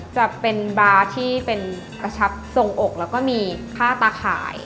จะเป็นบาร์ที่เป็นกระชับทรงอกแล้วก็มีค่าตาข่าย